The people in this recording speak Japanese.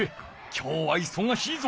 今日はいそがしいぞ。